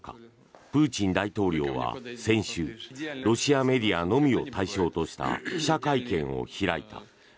プーチン大統領は先週ロシアメディアのみを対象とした記者会見を開いた。